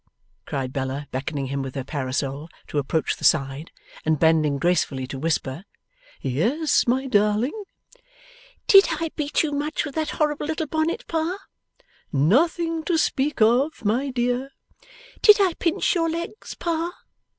cried Bella, beckoning him with her parasol to approach the side, and bending gracefully to whisper. 'Yes, my darling.' 'Did I beat you much with that horrid little bonnet, Pa?' 'Nothing to speak of; my dear.' 'Did I pinch your legs, Pa?